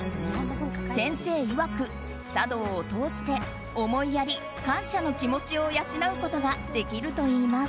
先生いわく、茶道を通して思いやり、感謝の気持ちを養うことができるといいます。